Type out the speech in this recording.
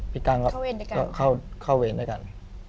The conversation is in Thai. พี่กั้งเข้าเวรด้วยกัน